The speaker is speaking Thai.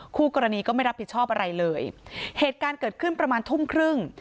คู่กรณีก็ไม่รับผิดชอบอะไรเลยเหตุการณ์เกิดขึ้นประมาณทุ่มครึ่ง